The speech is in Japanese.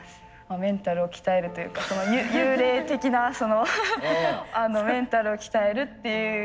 メンタルを鍛えるというか幽霊的なメンタルを鍛えるっていう。